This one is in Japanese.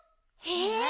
え？